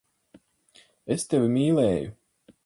Es tevi mīlēju.